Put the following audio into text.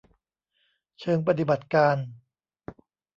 เชิงปฏิบัติการ